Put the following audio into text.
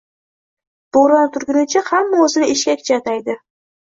Boʻron turgunicha hamma oʻzini eshkakchi ataydi